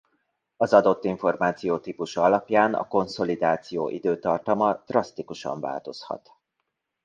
Az adott információ típusa alapján a konszolidáció időtartama drasztikusan változhat.